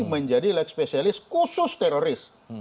menjadi leg spesialis khusus teroris